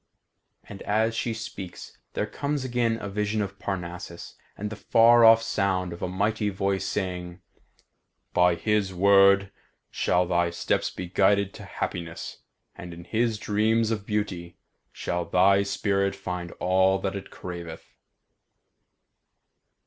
And as she speaks there comes again a vision of Parnassus and the far off sound of a mighty voice saying, "By his word shall thy steps be guided to happiness, and in his dreams of beauty shall thy spirit find all that it craveth."